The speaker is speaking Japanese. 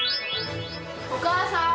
お母さん。